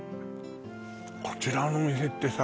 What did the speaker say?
こちらのお店ってさ